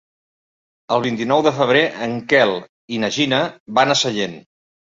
El vint-i-nou de febrer en Quel i na Gina van a Sallent.